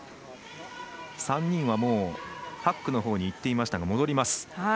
３人はもうハックのほうにいってましたが戻ります。